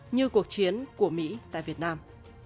như cuộc chiến của mỹ tại việt nam